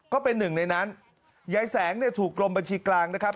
ก็เป็นหนึ่งในนั้นยายแสงเนี่ยถูกกรมบัญชีกลางนะครับ